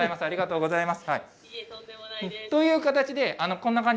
ありがとうございます。